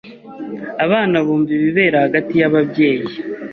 Abana bumva ibibera hagati y'ababyeyi